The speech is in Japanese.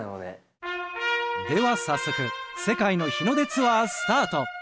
では早速世界の日の出ツアースタート！